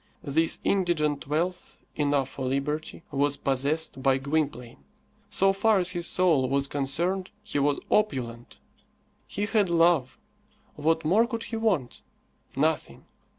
This indigent wealth, enough for liberty, was possessed by Gwynplaine. So far as his soul was concerned, he was opulent. He had love. What more could he want? Nothing.